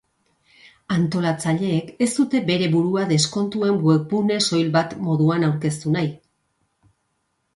Antolatzaileek ez dute bere burua deskontuen webgune soil bat moduan aurkeztu nahi.